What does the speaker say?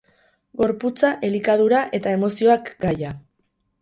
Gorputza, elikadura eta emozioak gaia.